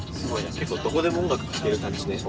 結構どこでも音楽かける感じで。